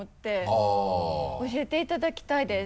教えていただきたいです。